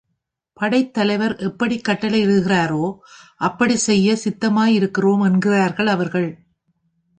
படைத் தலைவர் எப்படிக் கட்டளையிடுகிறாரோ அப்படிச் செய்ய சித்தமாயிருக்கிறோம் என்றார்கள் அவர்கள்.